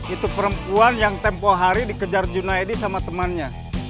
itu perempuan yang tempoh hari dikejar junaidi sama temannya